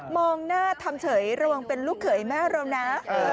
มองหน้าทำเฉยระวังเป็นลูกเขยแม่เรานะ